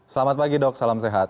selamat pagi dok salam sehat